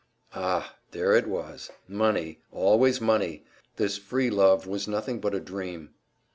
Ah, there it was! Money, always money! This "free love" was nothing but a dream.